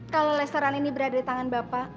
kalau restoran ini berada di tangan bapak